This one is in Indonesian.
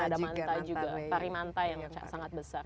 dan ada manta juga pari manta yang sangat besar